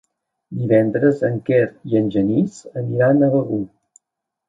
Divendres en Quer i en Genís aniran a Begur.